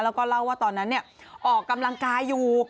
แล้วก็เล่าว่าตอนนั้นออกกำลังกายอยู่